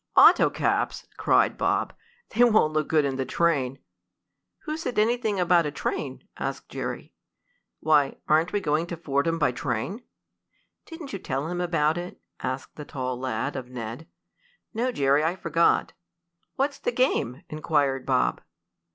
"Auto caps!" cried Bob. "They won't look good in the train." "Who said anything about a train?" asked Jerry. "Why, aren't we going to Fordham by train?" "Didn't you tell him about it?" asked the tall lad of Ned. "No, Jerry, I forgot." "What's the game?" inquired Bob.